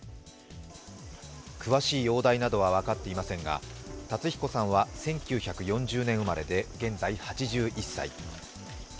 詳しい容体などは分かっていませんが、辰彦さんは１９４０年生まれで現在８１歳。